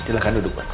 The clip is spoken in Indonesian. silahkan duduk pak